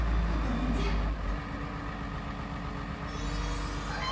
ここねちゃん